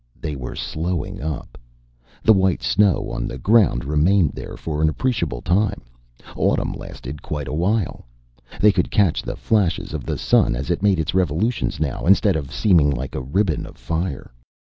They were slowing up! The white snow on the ground remained there for an appreciable time, autumn lasted quite a while. They could catch the flashes of the sun as it made its revolutions now, instead of its seeming like a ribbon of fire.